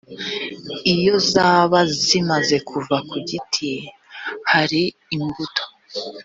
iyo zaba zimaze kuva ku giti hari imbuto